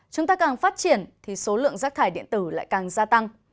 chúng ta càng phát triển thì số lượng rác thải điện tử lại càng gia tăng